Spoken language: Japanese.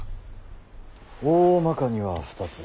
おおまかには２つ。